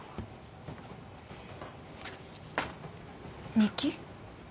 日記？